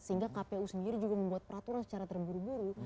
sehingga kpu sendiri juga membuat peraturan secara terburu buru